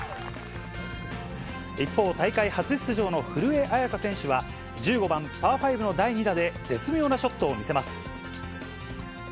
一方、大会初出場の古江彩佳選手は、１５番パー５の第２打で、絶妙なショットを見せます。